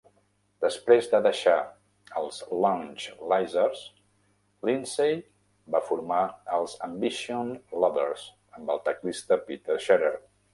Després de deixar els Lounge Lizards, Lindsay va formar els Ambitious Lovers amb el teclista Peter Scherer.